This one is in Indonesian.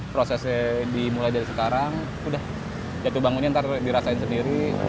prosesnya dimulai dari sekarang udah jatuh bangunnya ntar dirasain sendiri